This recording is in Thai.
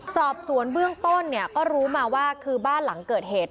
สอบสวนเบื้องต้นเนี่ยก็รู้มาว่าคือบ้านหลังเกิดเหตุ